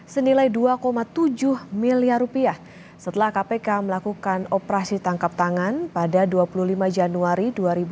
senilai dua tujuh miliar rupiah setelah kpk melakukan operasi tangkap tangan pada dua puluh lima januari dua ribu dua puluh